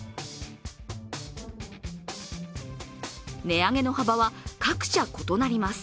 値上げの幅は各社異なります。